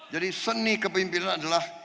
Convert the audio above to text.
jadi seni kepimpinan adalah